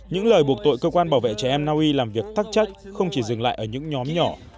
những lời buộc tội cơ quan bảo vệ trẻ em naui làm việc tắc trách không chỉ dừng lại ở những nhóm nhỏ